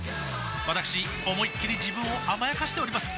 わたくし思いっきり自分を甘やかしております